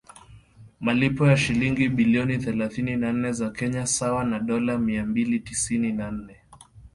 malipo ya shilingi bilioni thelathini na nne za Kenya sawa na dola mia mbili tisini na nane